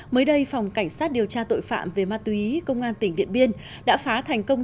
mới đây phòng cảnh sát điều tra tội phạm về ma túy công an tỉnh điện biên đã phá thành công